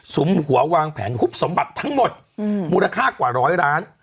มหัววางแผนฮุบสมบัติทั้งหมดมูลค่ากว่าร้อยล้าน